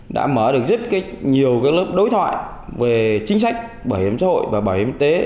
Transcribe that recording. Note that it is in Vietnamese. đã mở được rất nhiều lớp đối thoại về chính sách bảo hiểm xã hội và bảo hiểm y tế